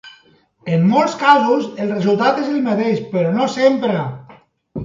En molts casos el resultat és el mateix, però no sempre.